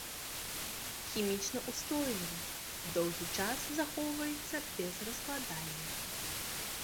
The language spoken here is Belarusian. Хімічна ўстойлівы, доўгі час захоўваецца без раскладання.